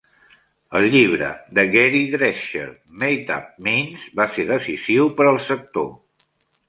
El llibre de Gary Drescher Made-up Minds va ser decisiu per al sector.